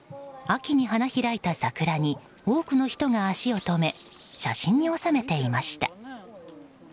秋に花開いた桜に多くの人が足を止め写真に収めていました。